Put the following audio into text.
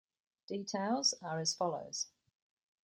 Details are as follows.